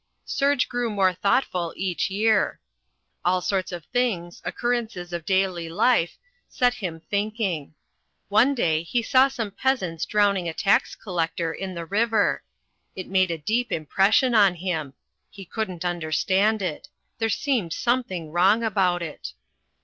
Serge grew more thoughtful each year. All sorts of things, occurrences of daily life, set him thinking. One day he saw some peasants drowning a tax collector in the river. It made a deep impression on him. He couldn't understand it. There seemed something wrong about it.